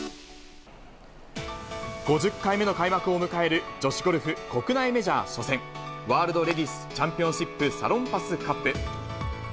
５０回目の開幕を迎える女子ゴルフ国内メジャー初戦、ワールドレディスチャンピオンシップサロンパスカップ。